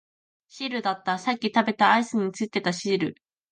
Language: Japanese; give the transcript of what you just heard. シールだった、さっき食べたアイスについていたシール